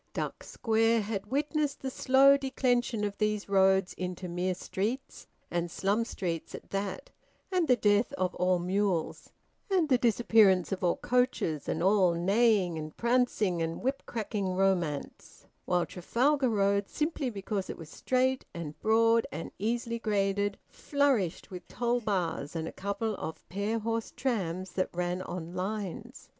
Duck Square had witnessed the slow declension of these roads into mere streets, and slum streets at that, and the death of all mules, and the disappearance of all coaches and all neighing and prancing and whipcracking romance; while Trafalgar Road, simply because it was straight and broad and easily graded, flourished with toll bars and a couple of pair horsed trams that ran on lines.